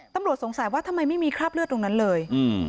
ตำรวจสงสัยว่าทำไมไม่มีคราบเลือดตรงนั้นเลย